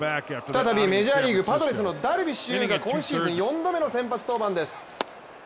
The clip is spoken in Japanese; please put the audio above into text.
再びメジャーリーグパドレスのダルビッシュ有が今シーズン４度目の先発登板です。